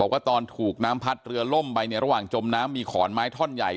ว่าตอนถูกน้ำพัดเรือล่มไปเนี่ยระหว่างจมน้ำมีขอนไม้ท่อนใหญ่